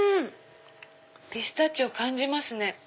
ピスタチオ感じますね。